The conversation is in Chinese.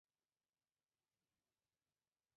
久保刺铠虾为铠甲虾科刺铠虾属下的一个种。